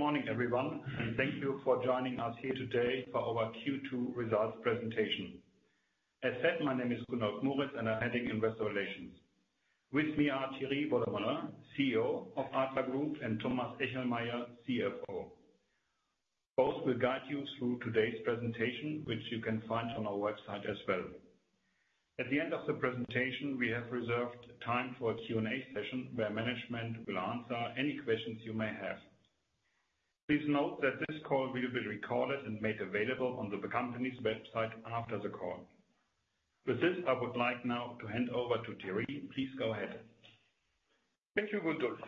Good morning, everyone, and thank you for joining us here today for our Q2 results presentation. As said, my name is Gundolf Moritz, and I'm heading Investor Relations. With me are Thierry Beaudemoulin, CEO of Adler Group, and Thomas Echelmeyer, CFO. Both will guide you through today's presentation, which you can find on our website as well. At the end of the presentation, we have reserved time for a Q&A session, where management will answer any questions you may have. Please note that this call will be recorded and made available on the company's website after the call. With this, I would like now to hand over to Thierry. Please go ahead. Thank you, Gundolf.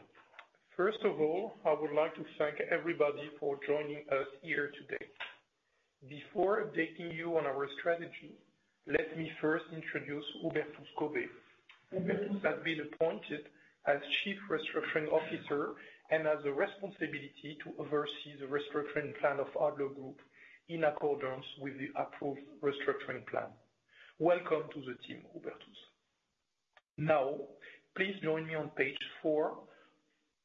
First of all, I would like to thank everybody for joining us here today. Before updating you on our strategy, let me first introduce Hubertus Kobé. Hubertus has been appointed as Chief Restructuring Officer and has the responsibility to oversee the restructuring plan of Adler Group in accordance with the approved restructuring plan. Welcome to the team, Hubertus. Now, please join me on page four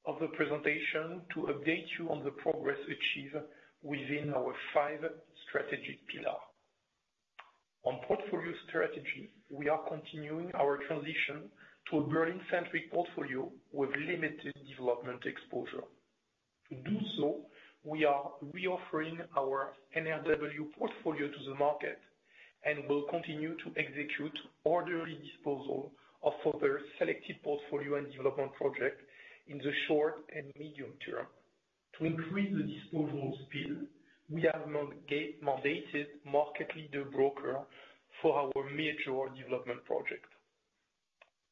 of the presentation to update you on the progress achieved within our five strategic pillars. On portfolio strategy, we are continuing our transition to a growing-centric portfolio with limited development exposure. To do so, we are reoffering our NRW portfolio to the market and will continue to execute orderly disposal of further selected portfolios and development projects in the short and medium term. To increase the disposal speed, we have mandated market-leading broker for our major development project.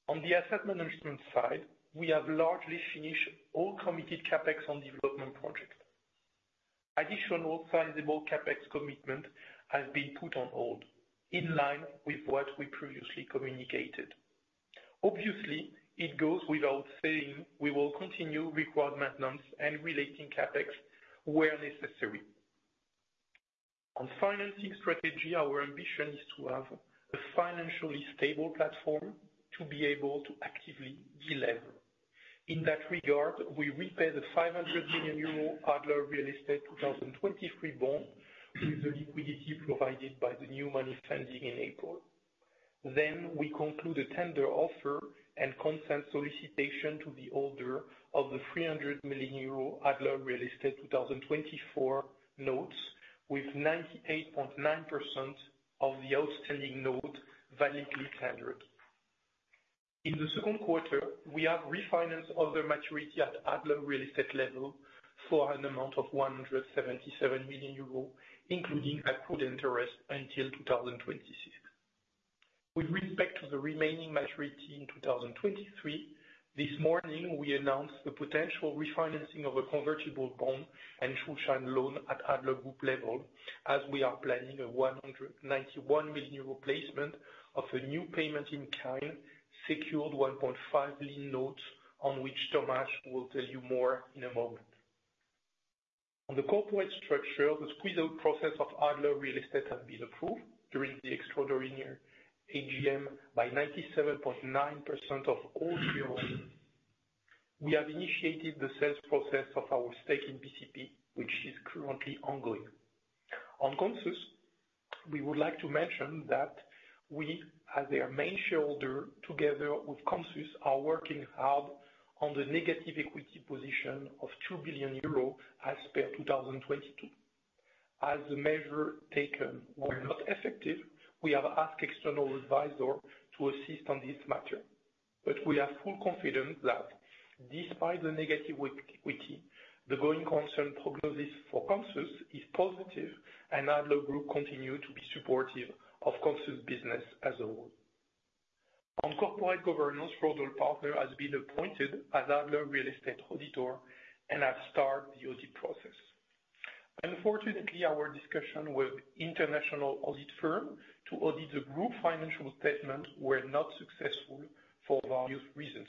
On the asset management side, we have largely finished all committed CapEx on development projects. Additional sizable CapEx commitment has been put on hold, in line with what we previously communicated. Obviously, it goes without saying, we will continue required maintenance and relating CapEx where necessary. On financing strategy, our ambition is to have a financially stable platform to be able to actively delever. In that regard, we repay the 500 million euro Adler Real Estate 2023 bond with the liquidity provided by the new money standing in April. Then we conclude a tender offer and consent solicitation to the order of the 300 million euro Adler Real Estate 2024 notes, with 98.9% of the outstanding note validly tendered. In the second quarter, we have refinanced other maturity at Adler Real Estate level for an amount of 177 million euros, including accrued interest until 2026. With respect to the remaining maturity in 2023, this morning, we announced the potential refinancing of a convertible bond and Schuldschein loan at Adler Group level, as we are planning a 191 million euro placement of a new payment in kind, secured 1.5 Lien notes, on which Thomas will tell you more in a moment. On the corporate structure, the squeeze-out process of Adler Real Estate has been approved during the extraordinary AGM by 97.9% of all shares. We have initiated the sales process of our stake in BCP, which is currently ongoing. On Consus, we would like to mention that we, as their main shareholder, together with Consus, are working hard on the negative equity position of 2 billion euro as per 2022. As the measure taken were not effective, we have asked external advisor to assist on this matter. But we are full confident that despite the negative equity, the going concern prognosis for Consus is positive, and Adler Group continue to be supportive of Consus business as a whole. On corporate governance, Rödl & Partner has been appointed as Adler Real Estate auditor and have started the audit process. Unfortunately, our discussion with international audit firm to audit the group financial statement were not successful for various reasons.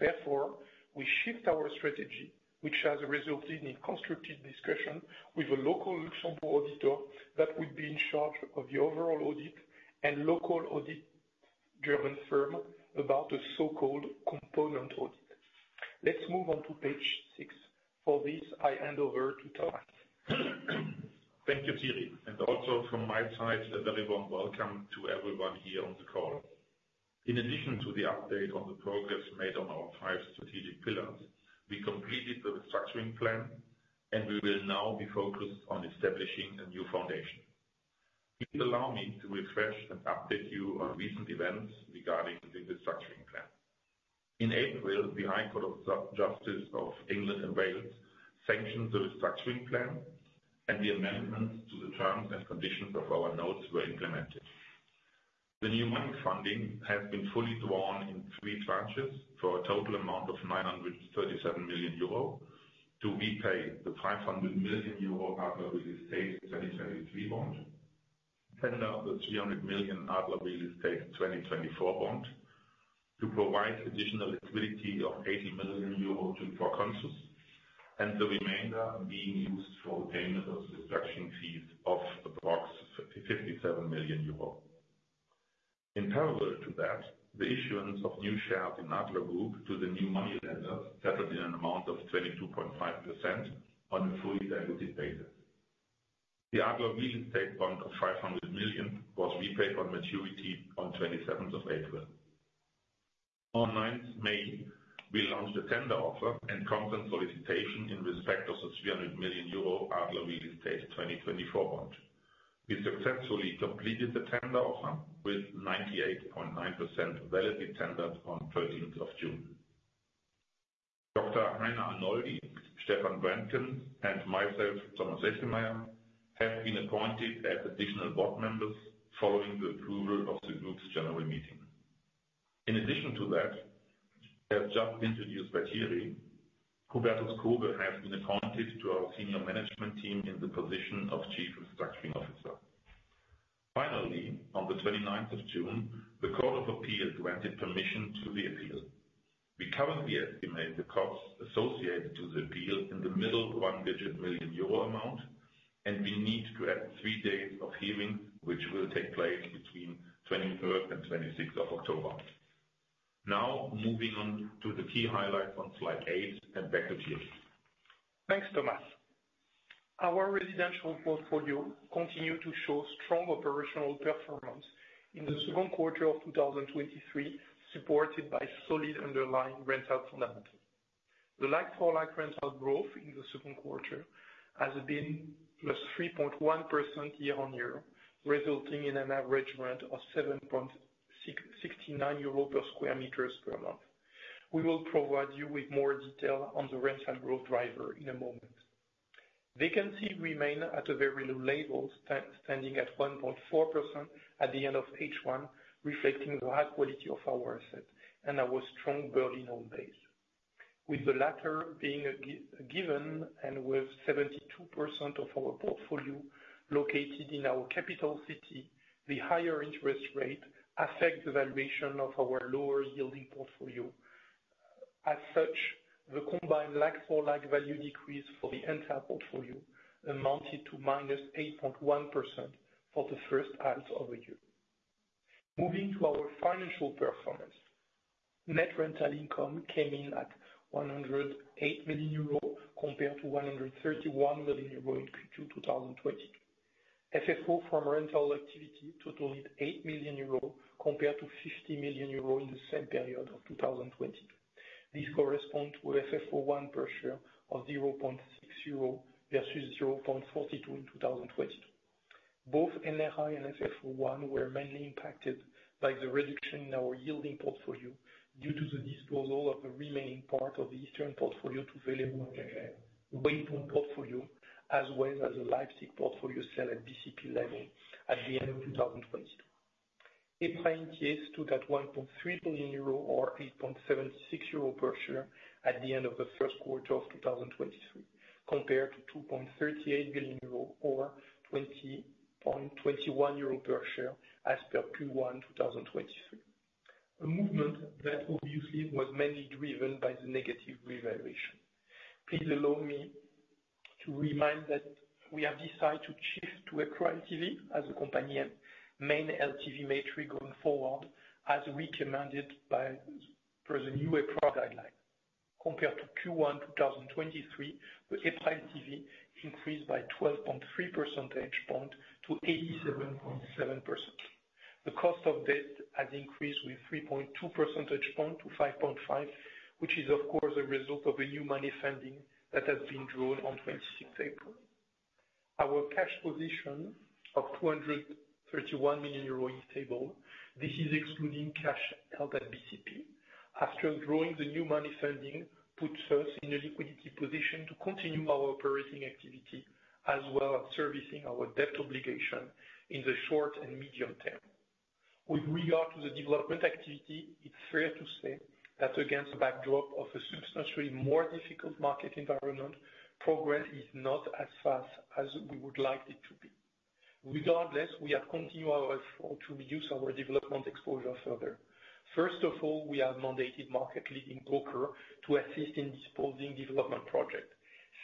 Therefore, we shift our strategy, which has resulted in a constructive discussion with a local Luxembourg auditor that will be in charge of the overall audit and local audit German firm about the so-called Component Audit. Let's move on to page 6. For this, I hand over to Thomas. Thank you, Thierry, and also from my side, a very warm welcome to everyone here on the call. In addition to the update on the progress made on our five strategic pillars, we completed the restructuring plan, and we will now be focused on establishing a new foundation. Please allow me to refresh and update you on recent events regarding the restructuring plan. In April, the High Court of Justice of England and Wales sanctioned the restructuring plan, and the amendments to the terms and conditions of our notes were implemented. The new money funding has been fully drawn in three tranches for a total amount of 937 million euro to repay the 500 million euro Adler Real Estate 2023 bond, tender the 300 million Adler Real Estate 2024 bond, to provide additional liquidity of 80 million euro to, for Consus, and the remainder being used for payment of reduction fees of approx 57 million euros. In parallel to that, the issuance of new shares in Adler Group to the new money lender settled in an amount of 22.5% on a fully diluted basis. The Adler Real Estate bond of 500 million was repaid on maturity on 27th of April. On 9th May, we launched a tender offer and consent solicitation in respect of the 300 million euro Adler Real Estate 2024 bond. We successfully completed the tender offer with 98.9% validly tendered on 13th of June. Dr. Heiner Arnoldi, Stefan Brendgen, and myself, Thomas Echelmeyer, have been appointed as additional board members following the approval of the group's general meeting. In addition to that, as just introduced by Thierry, Hubertus Kobé has been appointed to our senior management team in the position of Chief Restructuring Officer. Finally, on the 29th of June, the Court of Appeal granted permission to the appeal. We currently estimate the costs associated to the appeal in the middle 1-digit million euro amount, and we need to have 3 days of hearing, which will take place between 23rd and 26th of October. Now, moving on to the key highlights on slide eight and back to Thierry. Thanks, Thomas. Our residential portfolio continued to show strong operational performance in the second quarter of 2023, supported by solid underlying rental demand. The like-for-like rental growth in the second quarter has been +3.1% year-on-year, resulting in an average rent of 7.669 euros per square meter per month. We will provide you with more detail on the rental growth driver in a moment. Vacancy remain at a very low level, standing at 1.4% at the end of H1, reflecting the high quality of our asset and our strong building own base. With the latter being a given, and with 72% of our portfolio located in our capital city, the higher interest rate affect the valuation of our lower yielding portfolio. As such, the combined like-for-like value decrease for the entire portfolio amounted to -8.1% for the first half of the year. Moving to our financial performance. Net rental income came in at 108 million euro, compared to 131 million euro in Q2 2020. FFO from rental activity totaled 8 million euro, compared to 50 million euro in the same period of 2020. This correspond to FFO 1 per share of 0.60 versus 0.42 in 2020. Both NRI and FFO 1 were mainly impacted by the reduction in our yielding portfolio due to the disposal of the remaining part of the eastern portfolio to Velero portfolio, as well as the Leipzig portfolio sale at BCP level at the end of 2020. EPRA NRV stood at 1.3 billion euro, or 8.76 euro per share at the end of the first quarter of 2023, compared to 2.38 billion euro or 20.21 euro per share as per Q1 2023. A movement that obviously was mainly driven by the negative revaluation. Please allow me to remind that we have decided to shift to a current NAV as a companion, main LTV matrix going forward, as recommended by, for the new EPRA guideline. Compared to Q1 2023, the EPRA LTV increased by 12.3 percentage points to 87.7%. The cost of debt has increased with 3.2 percentage points to 5.5%, which is of course, a result of a new money funding that has been drawn on 26 April. Our cash position of 231 million euro is stable. This is excluding cash held at BCP. After drawing the new money funding, puts us in a liquidity position to continue our operating activity, as well as servicing our debt obligation in the short and medium term. With regard to the development activity, it's fair to say that against the backdrop of a substantially more difficult market environment, progress is not as fast as we would like it to be. Regardless, we have continued our effort to reduce our development exposure further. First of all, we have mandated market leading broker to assist in disposing development project.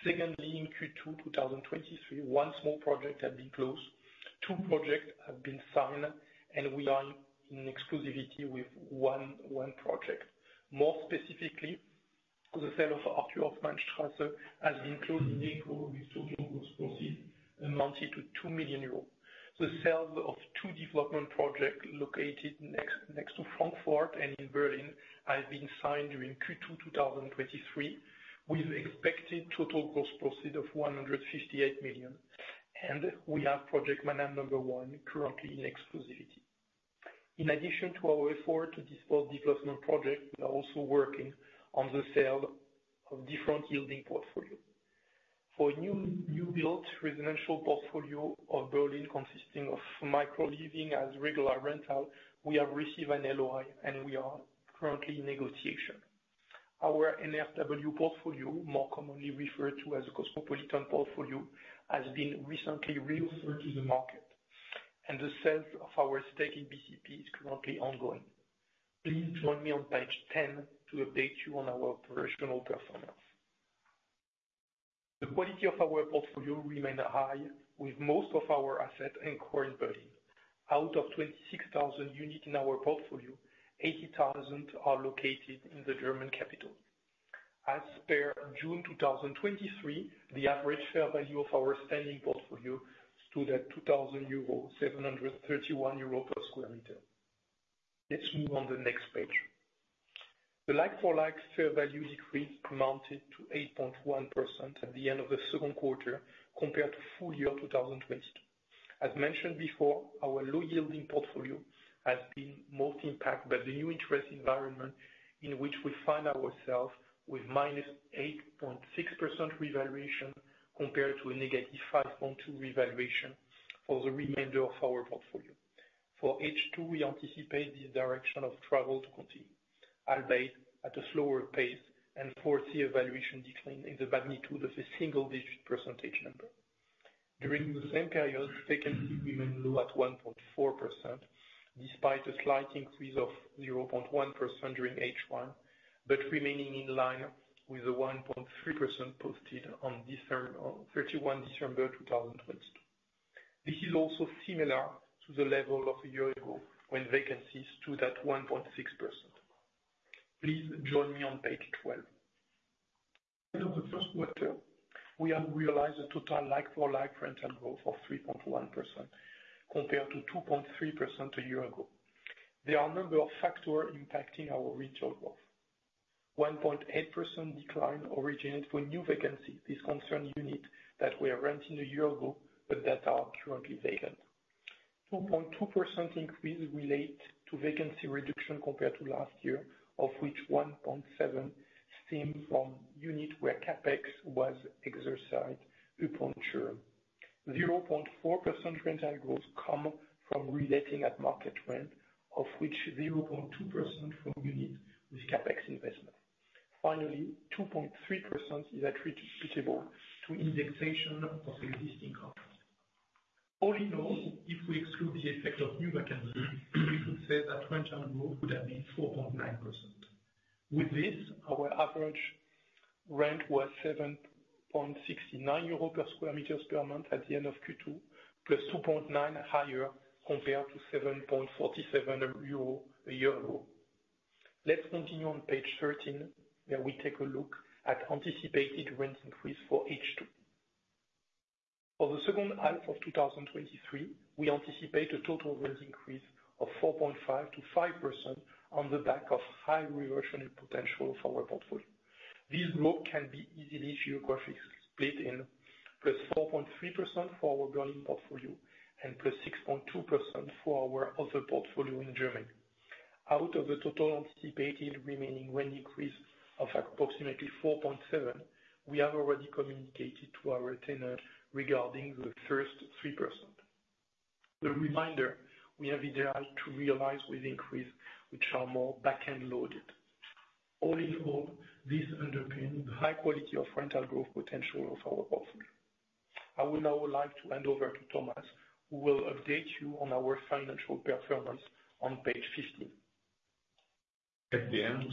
Secondly, in Q2 2023, one small project has been closed, two projects have been signed, and we are in exclusivity with one project. More specifically, the sale of Arthur-Hoffmann-Straße has included net proceeds amounted to 2 million euros. The sales of two development projects located next to Frankfurt and in Berlin, have been signed during Q2 2023, with expected total gross proceeds of 158 million. We have project number 1 currently in exclusivity. In addition to our effort to dispose development projects, we are also working on the sale of different yielding portfolio. For a new built residential portfolio of building, consisting of micro-living as regular rental, we have received an LOI, and we are currently in negotiation. Our NRW portfolio, more commonly referred to as a Cosmopolitan Portfolio, has been recently reoffered to the market, and the sales of our stake in BCP is currently ongoing. Please join me on page 10 to update you on our operational performance. The quality of our portfolio remained high, with most of our assets in core in Berlin. Out of 26,000 units in our portfolio, 18,000 are located in the German capital. As per June 2023, the average fair value of our standing portfolio stood at 2,731 euros per square meter. Let's move on the next page. The like-for-like fair value decrease amounted to 8.1% at the end of the second quarter, compared to full year 2022. As mentioned before, our low-yielding portfolio has been most impacted by the new interest environment in which we find ourselves with -8.6% revaluation compared to a -5.2% revaluation for the remainder of our portfolio. For H2, we anticipate this direction of travel to continue, albeit at a slower pace, and foresee a valuation decline in the magnitude of a single-digit % number. During the same period, vacancy remained low at 1.4%, despite a slight increase of 0.1% during H1, but remaining in line with the 1.3% posted on December 31, 2022. This is also similar to the level of a year ago, when vacancies stood at 1.6%. Please join me on page 12. In the first quarter, we have realized a total like-for-like rental growth of 3.1% compared to 2.3% a year ago. There are a number of factors impacting our retail growth. 1.8% decline originated from new vacancy. This concerns units that were renting a year ago, but that are currently vacant. 2.2% increase relate to vacancy reduction compared to last year, of which 1.7% stem from units where CapEx was exercised upon term. 0.4% rental growth come from relating at market rent, of which 0.2% from units with CapEx investment. Finally, 2.3% is attributable to indexation of existing contracts. All in all, if we exclude the effect of new vacancy, we could say that rental growth would have been 4.9%. With this, our average rent was 7.69 euros per sq m per month at the end of Q2, +2.9% higher compared to 7.47 euros a year ago. Let's continue on page 13, where we take a look at anticipated rent increase for H2. For the second half of 2023, we anticipate a total rent increase of 4.5%-5% on the back of high reversion and potential for our portfolio. This growth can be easily geographically split in +4.3% for our Berlin portfolio and +6.2% for our other portfolio in Germany. Out of the total anticipated remaining rent increase of approximately 4.7, we have already communicated to our tenant regarding the first 3%. The remainder, we have ideally to realize with increases, which are more back-end loaded. All in all, this underpinning the high quality of rental growth potential of our portfolio. I would now like to hand over to Thomas, who will update you on our financial performance on page 15. At the end,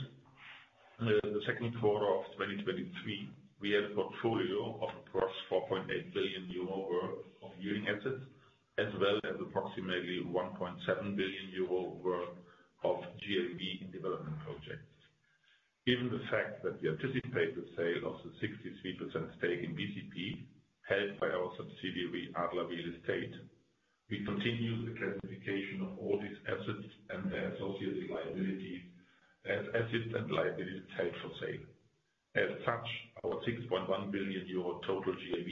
the second quarter of 2023, we had a portfolio of across 4.8 billion euro worth of yielding assets, as well as approximately 1.7 billion euro worth of GAV in development projects. Given the fact that we anticipate the sale of the 63% stake in BCP, held by our subsidiary, Adler Real Estate, we continue the classification of all these assets and their associated liabilities as assets and liabilities held for sale. As such, our 6.1 billion euro total GAV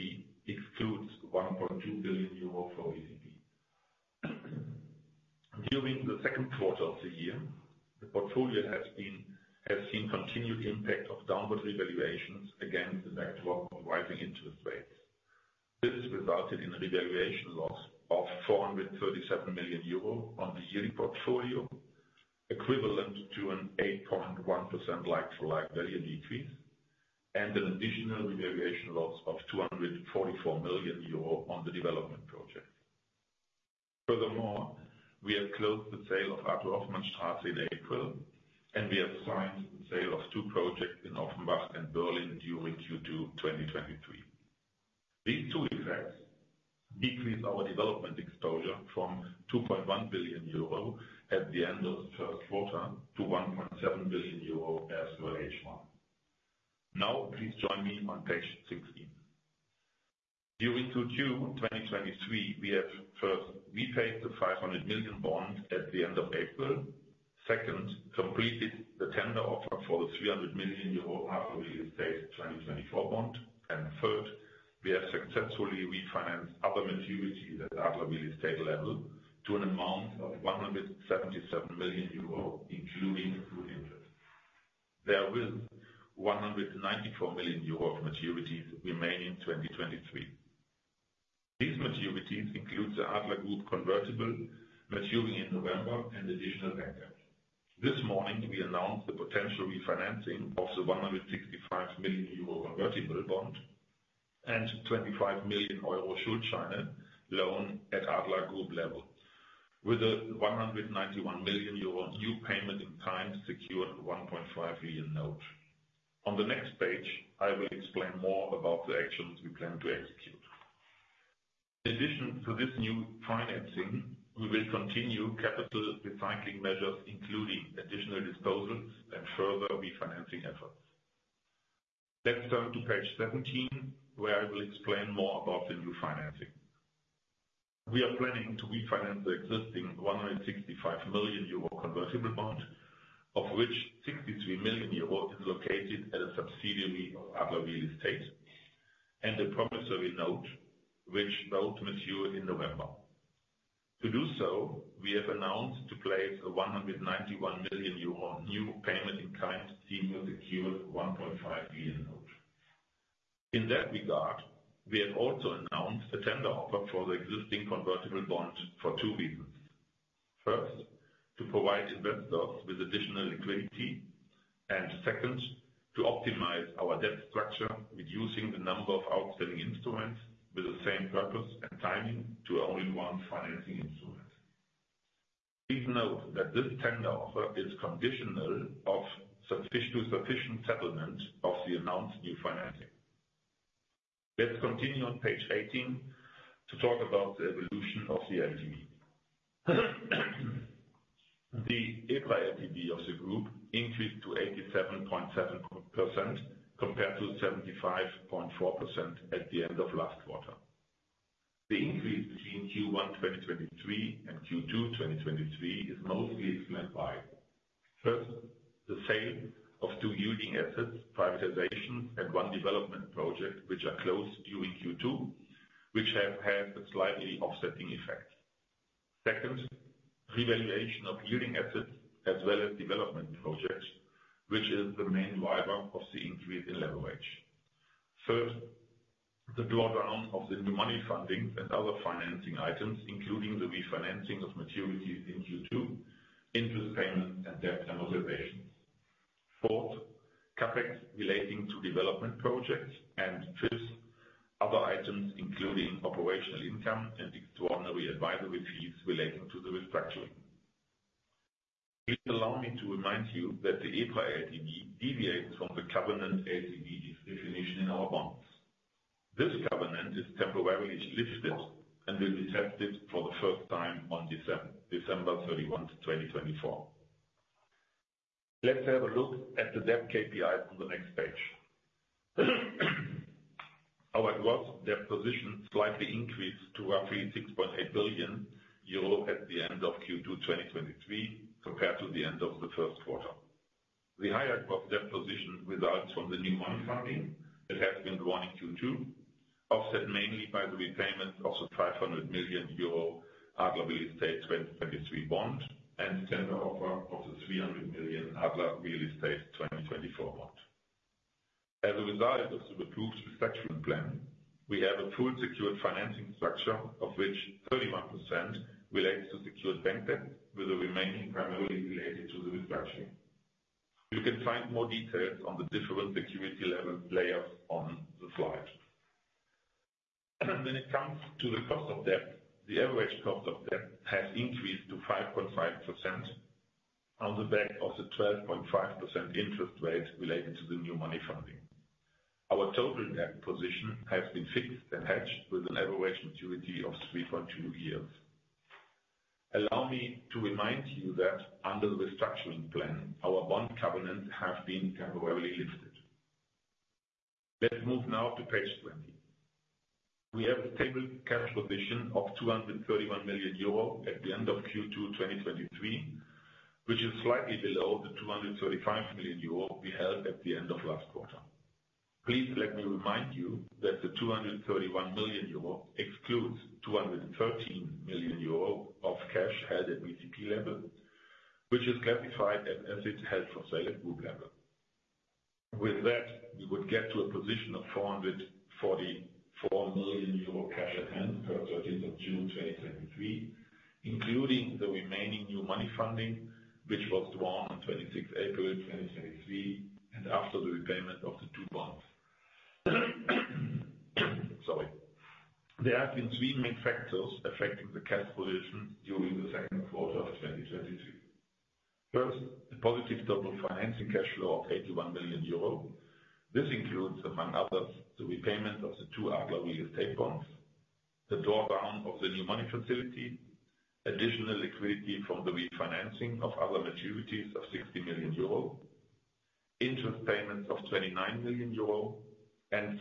excludes 1.2 billion euro for BCP. During the second quarter of the year, the portfolio has seen continued impact of downward revaluations against the backdrop of rising interest rates. This has resulted in a revaluation loss of 437 million euro on the yielding portfolio, equivalent to an 8.1% like-for-like value decrease, and an additional revaluation loss of 244 million euro on the development project. Furthermore, we have closed the sale of Arthur-Hoffmann-Straße in April, and we have signed the sale of two projects in Offenbach and Berlin during Q2 2023. These two effects decrease our development exposure from 2.1 billion euro at the end of the first quarter to 1.7 billion euro as for H1. Now, please join me on page 16. During Q2 2023, we have first repaid the 500 million bonds at the end of April. Second, completed the tender offer for the 300 million euro Adler Real Estate 2024 bond. Third, we have successfully refinanced other maturities at Adler Real Estate level to an amount of 177 million euro, including interest. Therewith, 194 million euro of maturities remain in 2023. These maturities include the Adler Group convertible, maturing in November, and additional bank debt. This morning, we announced the potential refinancing of the 165 million euro convertible bond and 25 million euro Schuldschein loan at Adler Group level. With a 191 million euro new payment in kind secured 1.5 billion note. On the next page, I will explain more about the actions we plan to execute. In addition to this new financing, we will continue capital recycling measures, including additional disposals and further refinancing efforts. Let's turn to page 17, where I will explain more about the refinancing. We are planning to refinance the existing 165 million euro convertible bond, of which 63 million euro is located at a subsidiary of Adler Real Estate, and the promissory note, which note mature in November. To do so, we have announced to place a 191 million euro new payment in kind senior secured 1.5 Lien note. In that regard, we have also announced a tender offer for the existing convertible bond for two reasons. First, to provide investors with additional liquidity, and second, to optimize our debt structure, reducing the number of outstanding instruments with the same purpose and timing to only one financing instrument. Please note that this tender offer is conditional of sufficient settlement of the announced new financing. Let's continue on page 18 to talk about the evolution of the LTV. The EPRA LTV of the group increased to 87.7% compared to 75.4% at the end of last quarter. The increase between Q1 2023 and Q2 2023 is mostly explained by: first, the sale of two yielding assets, privatization, and one development project, which are closed during Q2, which have had a slightly offsetting effect. Second, revaluation of yielding assets as well as development projects, which is the main driver of the increase in leverage. Third, the drawdown of the new money funding and other financing items, including the refinancing of maturities in Q2, interest payment, and debt amortization. Fourth, CapEx relating to development projects, and fifth, other items, including operational income and extraordinary advisory fees relating to the restructuring. Please allow me to remind you that the EPRA LTV deviates from the covenant LTV definition in our bonds. This covenant is temporarily lifted and will be tested for the first time on December thirty-one, 2024. Let's have a look at the debt KPIs on the next page. Our gross debt position slightly increased to roughly 6.8 billion euro at the end of Q2 2023, compared to the end of the first quarter. The higher gross debt position results from the new money funding that has been drawn in Q2, offset mainly by the repayment of the 500 million euro Adler Real Estate 2023 bond and tender offer of the 300 million Adler Real Estate 2024 bond. As a result of the approved restructuring plan, we have a full secured financing structure, of which 31% relates to secured bank debt, with the remaining primarily related to the restructuring. You can find more details on the different security level layers on the slide. When it comes to the cost of debt, the average cost of debt has increased to 5.5% on the back of the 12.5% interest rate related to the new money funding. Our total debt position has been fixed and hedged with an average maturity of 3.2 years. Allow me to remind you that under the restructuring plan, our bond covenants have been temporarily lifted. Let's move now to page 20. We have a stable cash position of 231 million euro at the end of Q2 2023, which is slightly below the 235 million euro we held at the end of last quarter. Please let me remind you that the 231 million euro excludes 213 million euro of cash held at BCP level, which is classified as assets held for sale at group level. With that, we would get to a position of 444 million euro cash at hand per 13th of June, 2023, including the remaining new money funding, which was drawn on 26th April, 2023, and after the repayment of the two bonds. Sorry. There have been three main factors affecting the cash position during the second quarter of 2023. First, the positive total financing cash flow of 81 million euro. This includes, among others, the repayment of the two Adler Real Estate bonds, the drawdown of the new money facility, additional liquidity from the refinancing of other maturities of 60 million euro, interest payments of 29 million euro, and smaller and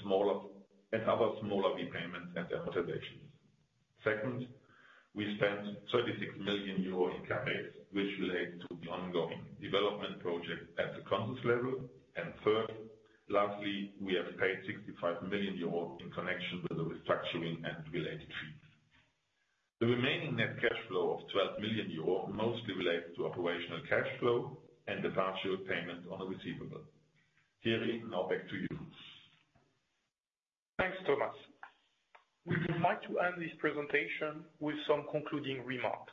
other smaller repayments and amortizations. Second, we spent 36 million euros in CapEx, which relates to the ongoing development project at the Consus level. And third, lastly, we have paid 65 million euros in connection with the restructuring and related fees. The remaining net cash flow of 12 million euro mostly relates to operational cash flow and the partial payment on a receivable. Thierry, now back to you. Thanks, Thomas. We would like to end this presentation with some concluding remarks.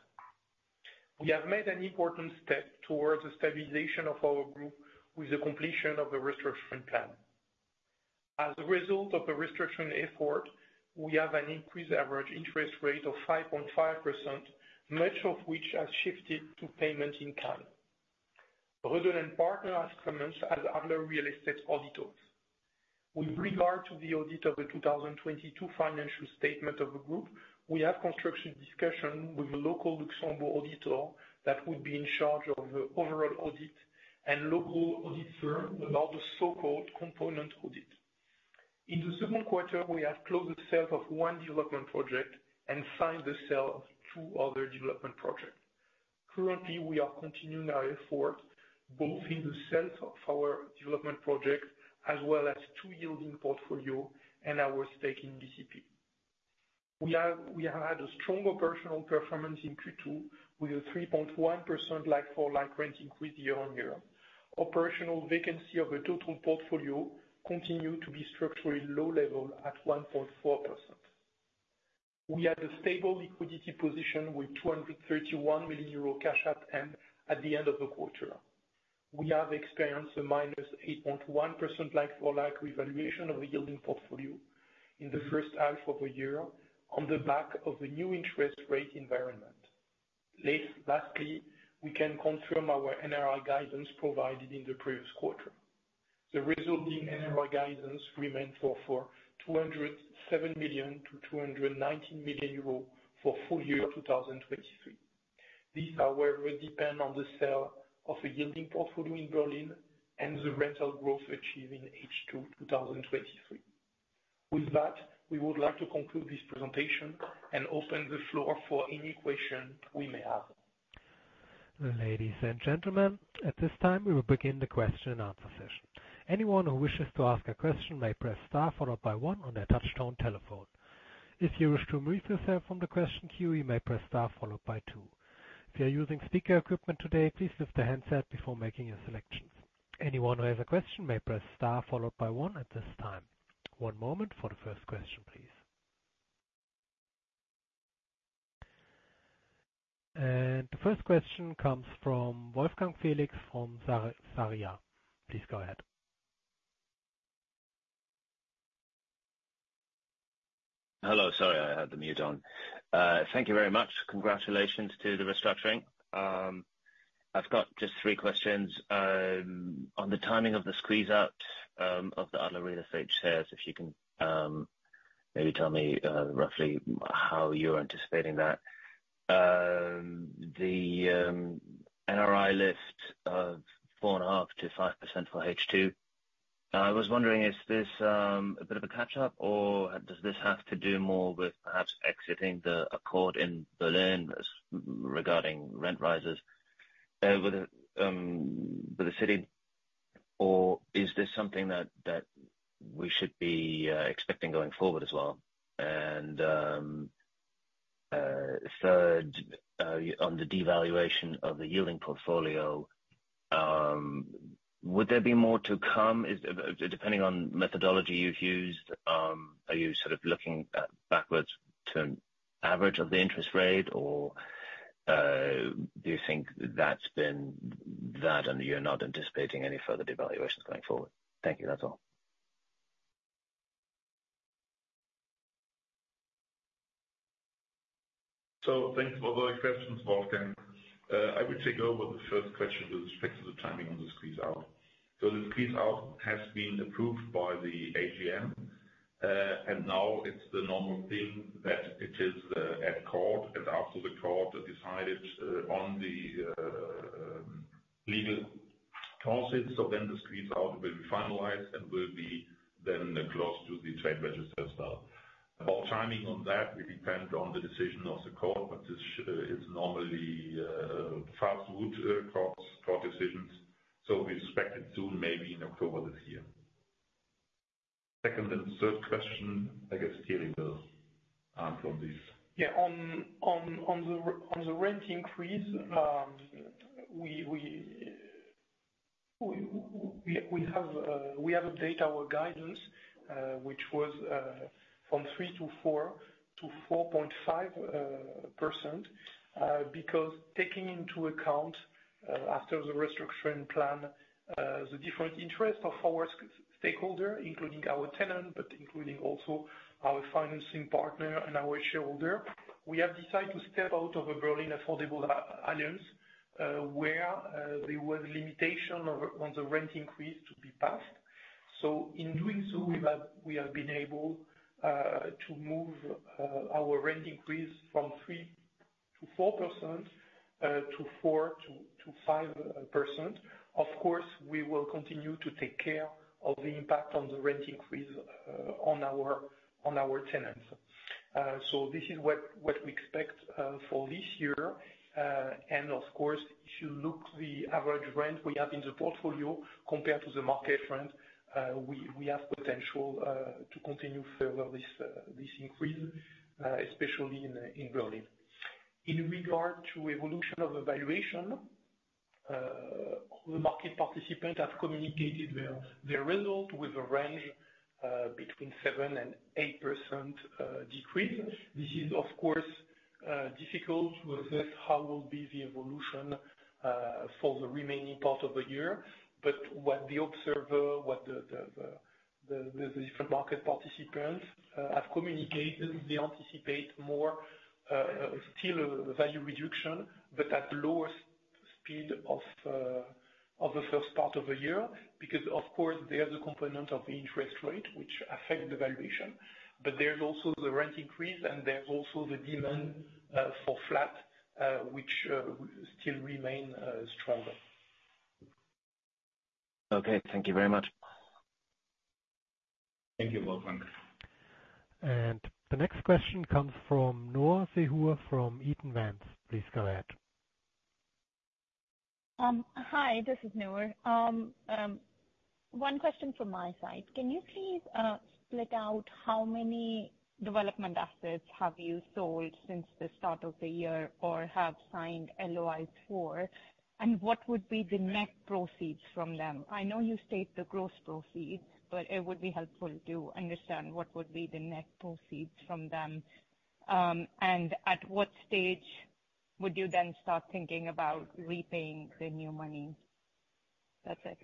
We have made an important step towards the stabilization of our group with the completion of the restructuring plan. As a result of the restructuring effort, we have an increased average interest rate of 5.5%, much of which has shifted to payment in kind. Rödl & Partner has commenced as Adler Real Estate auditors. With regard to the audit of the 2022 financial statement of the group, we have constructive discussion with the local Luxembourg auditor that would be in charge of the overall audit and local audit firm about the so-called component audit. In the second quarter, we have closed the sale of one development project and signed the sale of two other development projects. Currently, we are continuing our effort both in the sales of our development projects as well as to yielding portfolio and our stake in BCP. We have, we have had a stronger operational performance in Q2 with a 3.1%, like-for-like rent increase year-on-year. Operational vacancy of the total portfolio continue to be structurally low level at 1.4%. We had a stable liquidity position with 231 million euro cash at hand at the end of the quarter. We have experienced a -8.1% like-for-like revaluation of the yielding portfolio in the first half of the year on the back of the new interest rate environment. Last, lastly, we can confirm our NRI guidance provided in the previous quarter. The resulting NRI guidance remains for 207 million to 219 million euros for full year 2023. These, however, will depend on the sale of a yielding portfolio in Berlin and the rental growth achieved in H2 2023. With that, we would like to conclude this presentation and open the floor for any question we may have. Ladies and gentlemen, at this time, we will begin the question and answer session. Anyone who wishes to ask a question may press star followed by one on their touchtone telephone. If you wish to remove yourself from the question queue, you may press star followed by two. If you're using speaker equipment today, please lift the handset before making your selections. Anyone who has a question may press star followed by one at this time. One moment for the first question, please. And the first question comes from Wolfgang Felix from Sarria. Please go ahead. Hello. Sorry, I had the mute on. Thank you very much. Congratulations to the restructuring. I've got just three questions. On the timing of the squeeze out of the Adler Real Estate shares, if you can maybe tell me roughly how you're anticipating that. The NRI lift of 4.5%-5% for H2. I was wondering, is this a bit of a catch up, or does this have to do more with perhaps exiting the accord in Berlin as regarding rent rises with the city? Or is this something that we should be expecting going forward as well? And third, on the devaluation of the yielding portfolio, would there be more to come? Depending on methodology you've used, are you sort of looking at backwards to an average of the interest rate? Or, do you think that's been that and you're not anticipating any further devaluations going forward? Thank you. That's all. So thanks for those questions, Wolfgang. I will take over the first question with respect to the timing on the squeeze out. So the squeeze out has been approved by the AGM, and now it's the normal thing that it is at court, and after the court decided on the legal clauses, so then the squeeze out will be finalized and will be then close to the trade register as well. About timing on that, we depend on the decision of the court, but this is normally fast route court decisions, so we expect it soon, maybe in October this year. Second and third question, I guess Thierry will answer on this. Yeah, on the rent increase, we have updated our guidance, which was from 3%-4% - 4.5%. Because taking into account, after the restructuring plan, the different interests of our stakeholder, including our tenant, but including also our financing partner and our shareholder, we have decided to step out of the Berlin Affordable Alliance, where there was a limitation on the rent increase to be passed. So in doing so, we have been able to move our rent increase from 3%-4% to 4%-5%. Of course, we will continue to take care of the impact on the rent increase on our tenants. So this is what we expect for this year. And of course, if you look the average rent we have in the portfolio compared to the market rent, we have potential to continue further this increase, especially in Berlin. In regard to evolution of the valuation, the market participant have communicated their result with a range between 7% and 8% decrease. This is of course difficult with this, how will be the evolution for the remaining part of the year. But what the observer, what the different market participants have communicated, they anticipate more still value reduction, but at lower speed of the first part of the year. Because, of course, there's a component of the interest rate, which affect the valuation, but there's also the rent increase, and there's also the demand for flat, which still remain stronger. Okay, thank you very much. Thank you, Wolfgang. The next question comes from Noor Sehar from Eaton Vance. Please go ahead. Hi, this is Noor. One question from my side. Can you please split out how many development assets have you sold since the start of the year, or have signed LOIs for, and what would be the net proceeds from them? I know you state the gross proceeds, but it would be helpful to understand what would be the net proceeds from them. And at what stage would you then start thinking about repaying the new money? That's it.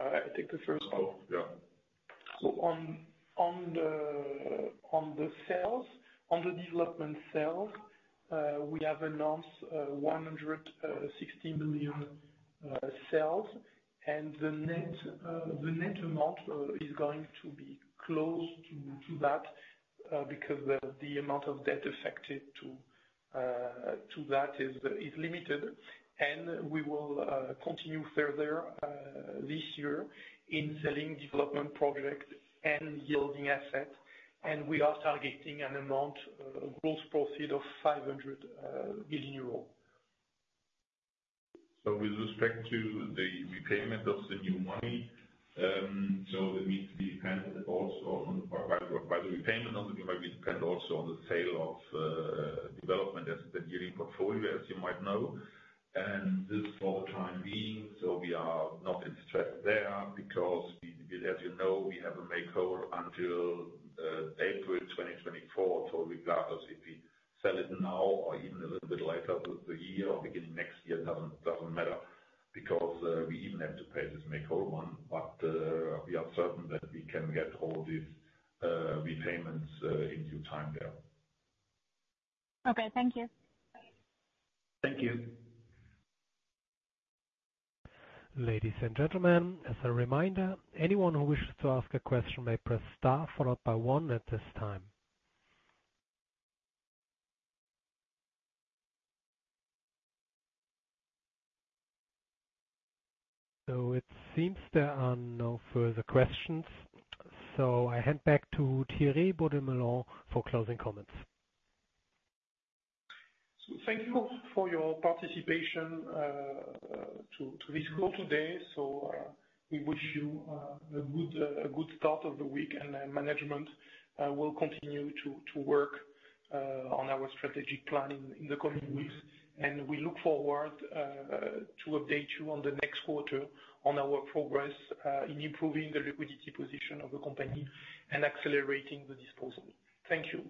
I think the first one. Oh, yeah. So, on the sales, on the development sales, we have announced 160 million sales. And the net amount is going to be close to that because the amount of debt affected to that is limited. And we will continue further this year in selling development projects and yielding assets. And we are targeting an amount, a gross proceed of 500 million euros. So with respect to the repayment of the new money, so that needs to be handled also from the provider. By the repayment of the new money, depend also on the sale of development as the yielding portfolio, as you might know. And this for the time being, so we are not in stress there, because we, as you know, we have a make whole until April 2024. So regardless if we sell it now or even a little bit later with the year or beginning of next year, it doesn't matter, because we even have to pay this make whole one. But we are certain that we can get all these repayments in due time there. Okay, thank you. Thank you. Ladies and gentlemen, as a reminder, anyone who wishes to ask a question may press star followed by one at this time. It seems there are no further questions. I hand back to Thierry Beaudemoulin for closing comments. So thank you for your participation to this call today. We wish you a good start of the week, and then management will continue to work on our strategic planning in the coming weeks. We look forward to update you on the next quarter on our progress in improving the liquidity position of the company and accelerating the disposal. Thank you.